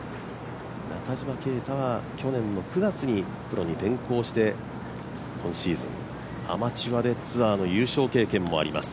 中島啓太は去年の９月にプロに転向して今シーズン、アマチュアでツアーの優勝経験もあります